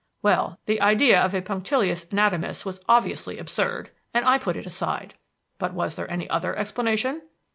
Well, the idea of a punctilious anatomist was obviously absurd, and I put it aside. But was there any other explanation?